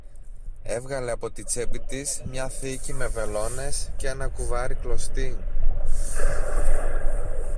Έβγαλε από την τσέπη της μια θήκη με βελόνες κι ένα κουβάρι κλωστή